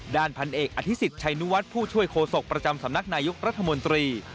พันเอกอธิษฎชัยนุวัฒน์ผู้ช่วยโคศกประจำสำนักนายกรัฐมนตรี